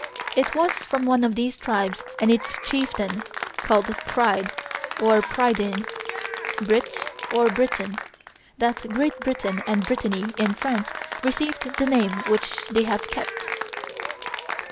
It was from one of these tribes and its chieftain, called Pryd or Prydain, Brit or Britain, that Great Britain and Brittany in France received the name which they have kept.